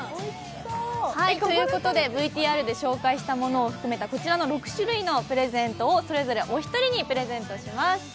ＶＴＲで紹介したものを含めたこちらの６種類のプレゼントをそれぞれお一人にプレゼントします。